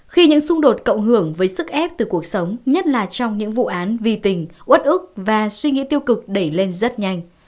khi những xung đột cộng hưởng với sức ép từ cuộc sống nhất là trong những vụ án vì tình út ức và suy nghĩ tiêu cực đẩy lên rất nhanh